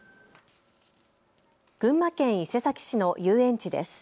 群馬県伊勢崎市の遊園地です。